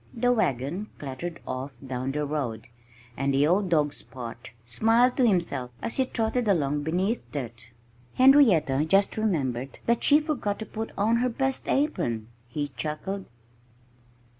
The wagon clattered off down the road. And old dog Spot smiled to himself as he trotted along beneath it. "Henrietta just remembered that she forgot to put on her best apron," he chuckled.